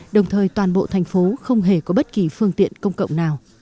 đồng thời toàn bộ thành phố không hề có bất kỳ phương tiện công cộng nào